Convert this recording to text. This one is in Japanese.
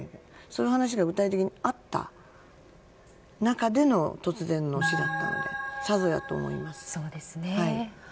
そういった話が具体的にあった中での突然の死だったのでさぞやと思います。